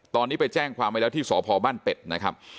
ตอนนี้ไปแจ้งความไว้แล้วที่สพบ้านเป็ดนะครับ